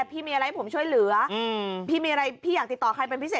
พี่มีอะไรให้ผมช่วยเหลือพี่มีอะไรพี่อยากติดต่อใครเป็นพิเศษ